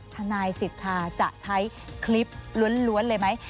ทนายสิทธาจะใช้คลิปล้วนเลยไหม